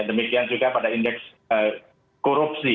demikian juga pada indeks korupsi